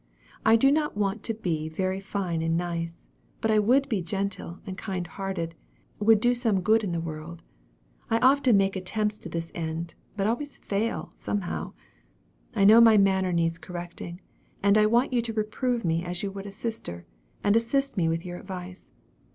I do not want to be very fine and nice; but I would be gentle and kind hearted would do some good in the world. I often make attempts to this end; but always fail, somehow. I know my manner needs correcting; and I want you to reprove me as you would a sister, and assist me with your advice.